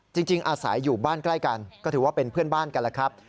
จริงอาศัยอยู่บ้านใกล้กันก็ถือว่าเป็นเพื่อนบ้านกันแล้วครับ